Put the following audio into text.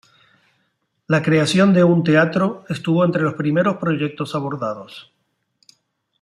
La creación de un teatro estuvo entre los primeros proyectos abordados.